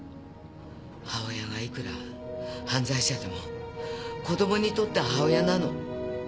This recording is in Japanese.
母親がいくら犯罪者でも子供にとっては母親なの。